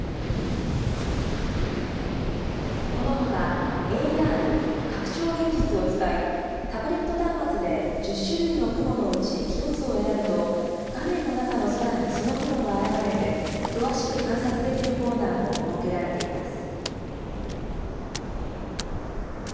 このほか、ＡＲ・拡張現実を使い、タブレット端末で１０種類の雲のうち１つを選ぶと、画面の中の空にその雲が現れて、詳しく観察できるコーナーも設けられています。